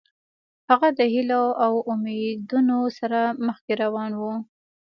هغه د هیلو او امیدونو سره مخکې روان و.